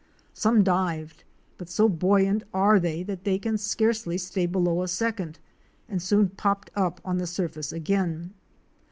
Some dived, but so buoyant are they that they can scarcely stay below a second, and soon popped up on the surface again.